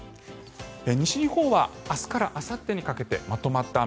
西日本は明日からあさってにかけてまとまった雨。